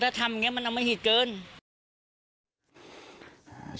ถ้าทำอย่างนี้มันอมหิตเกิน